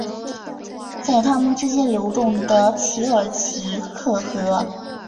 在他们之间流动的奇尔奇克河。